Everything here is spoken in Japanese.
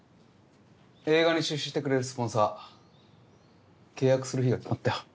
映画に出資してくれるスポンサー契約する日が決まったよ。